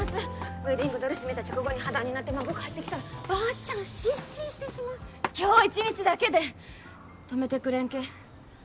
ウエディングドレス見た直後に破談になって孫帰ってきたらばーちゃん失神してしまう今日一日だけでん泊めてくれんけ？